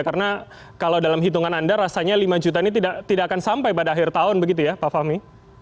karena kalau dalam hitungan anda rasanya lima juta ini tidak akan sampai pada akhir tahun begitu ya pak fahmi